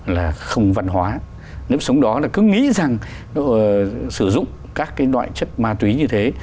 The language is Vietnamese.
là không văn hóa nếp sống đó là cứ nghĩ rằng sử dụng các cái loại chất ma túy như thế